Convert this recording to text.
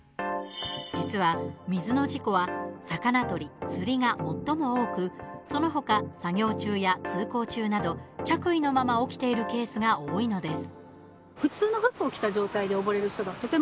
実は水の事故は魚とり、釣りが最も多くその他、作業中や通行中など着衣のまま起きているケースが多いのです。